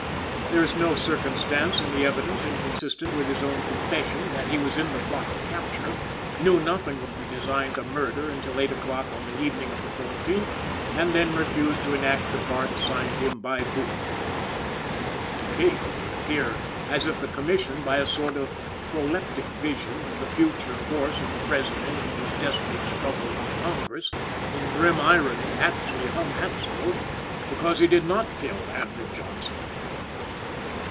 There is no circumstance in the evidence inconsistent with his own confession, that he was in the plot to capture, knew nothing of the design to murder until 8 o'clock on the evening of the 14th, and then refused to enact the part assigned him by Booth. Indeed, it would appear as if the Commission, by a sort of proleptic vision of the future course of the President in his desperate struggle with the Congress, in grim irony actually hung Atzerodt because he did not kill Andrew Johnson.